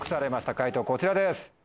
解答こちらです。